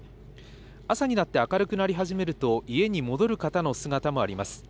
朝になって明るくなり始めると、家に戻る方の姿もあります。